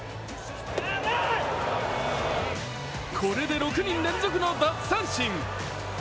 これで６人連続の奪三振。